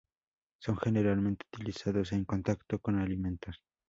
Son generalmente utilizados en contacto con alimentos.